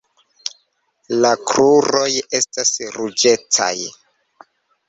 La kruroj estas ruĝecaj.